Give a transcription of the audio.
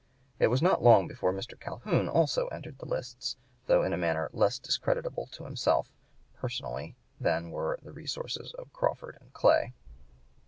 It was not long before Mr. Calhoun also entered the lists, though in a manner less discreditable to himself, personally, than were the resources of Crawford and Clay.